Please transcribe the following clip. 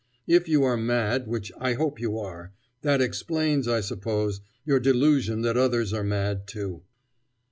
If you are mad, which I hope you are, that explains, I suppose, your delusion that others are mad, too."